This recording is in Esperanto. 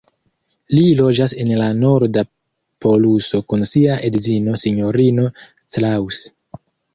Li loĝas en la Norda Poluso kun sia edzino, Sinjorino Claus.